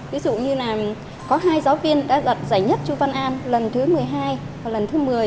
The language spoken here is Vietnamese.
ví dụ như là có hai giáo viên đã đoạt giải nhất chu văn an lần thứ một mươi hai và lần thứ một mươi